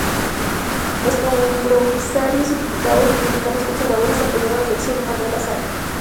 Los compromisarios y diputados republicanos conservadores apoyaron la elección de Manuel Azaña.